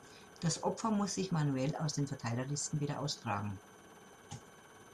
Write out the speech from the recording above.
Das Opfer muss sich manuell aus den Verteiler-Listen wieder austragen.